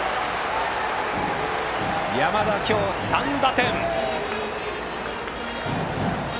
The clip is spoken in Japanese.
山田、今日３打点。